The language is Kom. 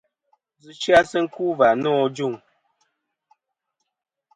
Ndzɨ sɨ-a sɨ ku va nô ajuŋ.